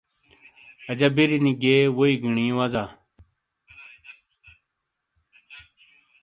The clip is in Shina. اجا بِیرینی گئیے ووئی گینی وزا۔